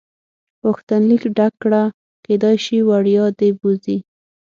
غوښتنلیک ډک کړه کېدای شي وړیا دې بوځي.